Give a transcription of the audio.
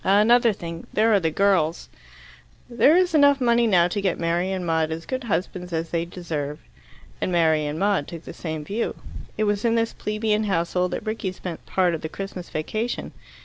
"Another thing there are the girls." "There is enough money now to get Mary and Maud as good husbands as they deserve." And Mary and Maud took the same view. It was in this plebeian household that Rickie spent part of the Christmas vacation.